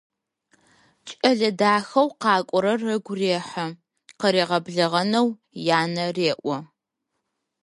Кӏэлэ дахэу къакӏорэр ыгу рехьы, къыригъэблэгъэнэу янэ реӏо.